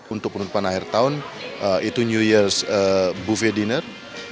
untuk penerimaan akhir tahun itu new year's buffet dinner